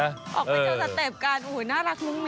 ออกไปเจ้าสเตปกันโอ้โหน่ารักนุ่มจริง